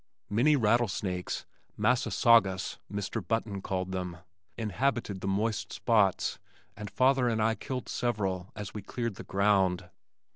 Many rattlesnakes ("massasaugas" Mr. Button called them), inhabited the moist spots and father and I killed several as we cleared the ground.